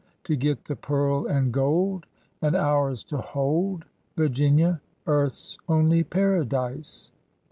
To get the pearl and gold. And ours to hold Virginia, Earth's only paradise!